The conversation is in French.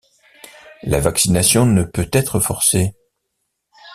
La vaccination ne peut être forcée.